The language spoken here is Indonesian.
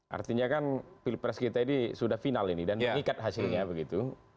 artinya kan pilpres kita ini sudah final ini dan mengikat hasilnya begitu